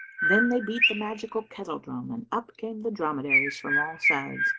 Then they beat the magical kettle drum and up came the dromedaries from all sides.